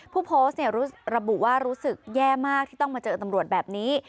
ผู้โพสต์ระบุว่ารู้สึกแย่มากที่ต้องมาเจอตำรวจแบบนี้